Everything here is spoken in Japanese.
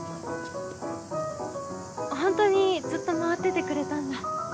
本当にずっと回っててくれたんだ。